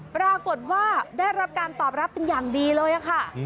ปรากฏว่าได้รับการตอบรับเป็นอย่างดีเลยค่ะ